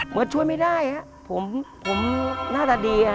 เมื่อช่วยไม่ได้ผมหน้าตาดี